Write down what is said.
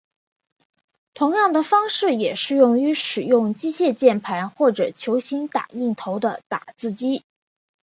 同样的方式也适用于使用机械键盘或者球形打印头的打字机。